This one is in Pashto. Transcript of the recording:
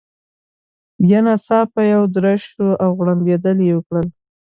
بیا ناڅاپه یو درز شو، او غړمبېدل يې وکړل.